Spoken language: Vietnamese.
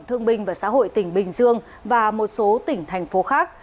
thương binh và xã hội tỉnh bình dương và một số tỉnh thành phố khác